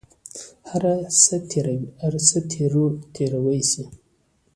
هر څه تېروى سي.